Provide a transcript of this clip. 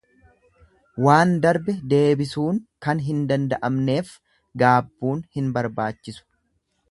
Waan darbe deebisuun kan hin danda'amneef gaabbuun hin barbaachisu.